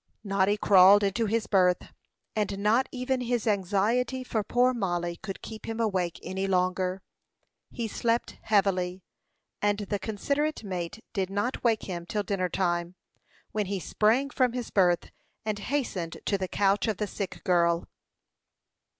Noddy crawled into his berth, and not even his anxiety for poor Mollie could keep him awake any longer. He slept heavily, and the considerate mate did not wake him till dinner time, when he sprang from his berth and hastened to the couch of the sick girl.